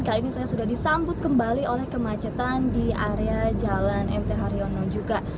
kali ini saya sudah disambut kembali oleh kemacetan di area jalan mt haryono juga